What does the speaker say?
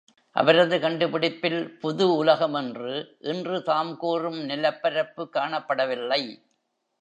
அவரது கண்டு பிடிப்பில், புது உலகம் என்று இன்று தாம் கூறும் நிலப்பரப்பு காணப்படவில்லை.